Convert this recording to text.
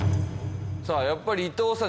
やっぱり伊藤さん